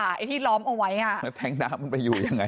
ไอ้ที่ล้อมเอาไว้มาแท็กด้านมันไปอยู่ยังไง